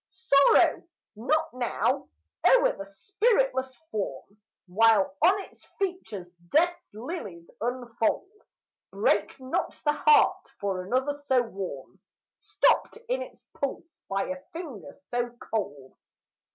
Sorrow not now, o'er the spiritless form, While on its features death's lilies unfold: Break not the heart for another so warm, Stopt in its pulse by a finger so cold.